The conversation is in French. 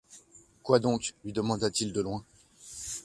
Quoi donc ? lui demanda-t-il de loin